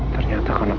ternyata karena penyadap